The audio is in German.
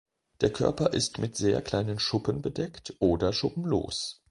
Der Körper ist mit sehr kleinen Schuppen bedeckt oder schuppenlos.